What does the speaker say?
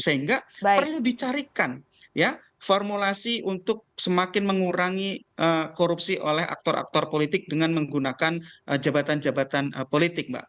sehingga perlu dicarikan formulasi untuk semakin mengurangi korupsi oleh aktor aktor politik dengan menggunakan jabatan jabatan politik mbak